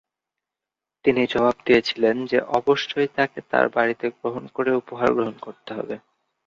তিনি জবাব দিয়েছিলেন যে অবশ্যই তাকে তার বাড়িতে গ্রহণ করে উপহার গ্রহণ করতে হবে।